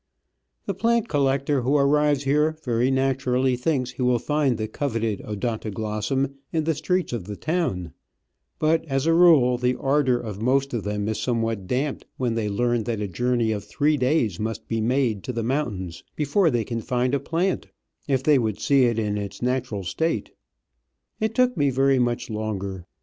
The plant collector who arrives here very naturally thinks he will find the coveted Odontoglossum in the streets of the town ; but, as a rule, the ardour of most of them is somewhat damped when they learn that a journey of three days must be made to the mountains before they can find a plant, if they would see it in its natural state. It took me very much longer.